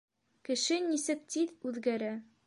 Кеше нисек тиҙ үҙгәрә.